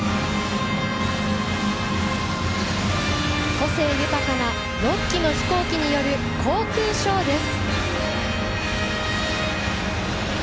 個性豊かな６機の飛行機による航空ショーです！